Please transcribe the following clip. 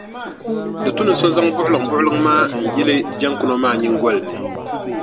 Di tu ni so zaŋ buɣilimbuɣiliŋ maa yili jaŋkuno maa nyiŋgoli ni.